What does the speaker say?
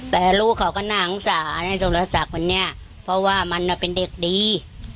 แต่ลูกเขาก็น่าสงสารในสุรศักดิ์คนนี้เพราะว่ามันเป็นเด็กดี